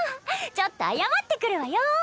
ちょっと謝ってくるわよ。